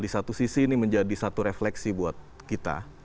di satu sisi ini menjadi satu refleksi buat kita